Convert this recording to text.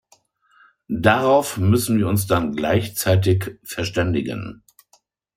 Darauf müssen wir uns dann gleichzeitig verständigen.